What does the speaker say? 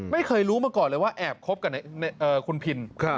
ไม่เคยรู้มาก่อนเลยว่าแอบคบกับคุณพิน